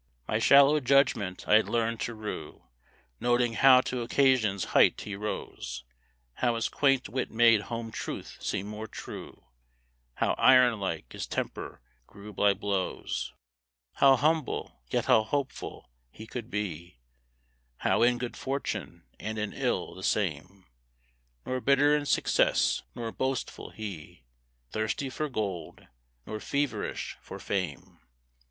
My shallow judgment I had learned to rue, Noting how to occasion's height he rose, How his quaint wit made home truth seem more true, How, iron like, his temper grew by blows; How humble, yet how hopeful, he could be; How, in good fortune and in ill, the same; Nor bitter in success, nor boastful he, Thirsty for gold, nor feverish for fame.